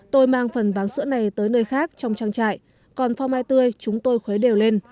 tôi mang phần váng sữa này tới nơi khác trong trang trại còn phong mai tươi chúng tôi khuấy đều lên